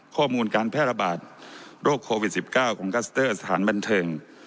ข้อมูลการแพร่ระบาดโรคโควิด๑๙ของคัสเตอร์สถานบันเทิง